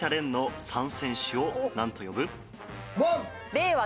令和